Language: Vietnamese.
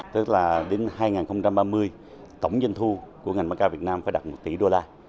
tức là đến hai nghìn ba mươi tổng doanh thu của ngành maca việt nam phải đạt một tỷ đô la